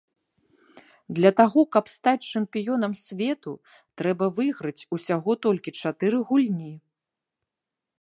Для таго каб стаць чэмпіёнам свету, трэба выйграць усяго толькі чатыры гульні.